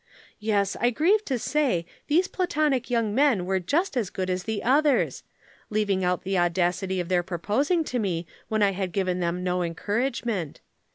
Yes, I grieve to say these Platonic young men were just as good as the others; leaving out the audacity of their proposing to me when I had given them no encouragement.